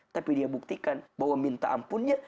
tapi dia buktikan bahwa minta ampunnya